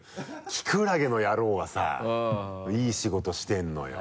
キクラゲのヤロウはさいい仕事してるのよ。